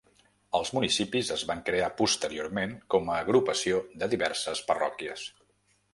Els municipis es van crear posteriorment com a agrupació de diverses parròquies.